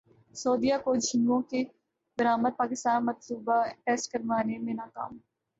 سعودیہ کو جھینگوں کی برامد پاکستان مطلوبہ ٹیسٹ کروانے میں ناکام